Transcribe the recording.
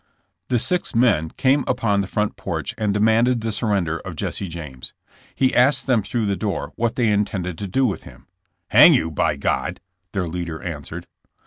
The six men came upon the front porch and de manded the surrender of Jesse James. He asked them through the door what they intended to do with him. Hang you, by God, '' their leader answered.